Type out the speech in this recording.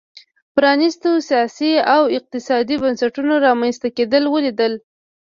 پرانیستو سیاسي او اقتصادي بنسټونو رامنځته کېدل ولیدل.